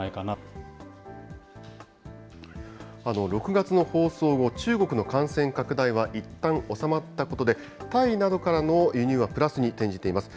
６月の放送後、中国の感染拡大はいったん収まったことで、タイなどからの輸入はプラスに転じています。